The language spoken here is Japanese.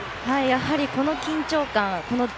この緊張感。